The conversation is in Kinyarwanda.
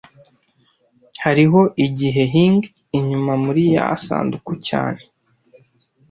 Hariho igihehing inyuma muriyi sanduku cyane